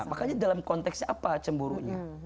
makanya dalam konteksnya apa cemburunya